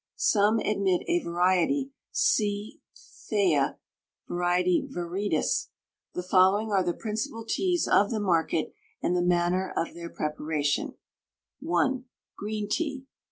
Some admit a variety C. Thea var. viridis. The following are the principal teas of the market and the manner of their preparation: 1. _Green Tea.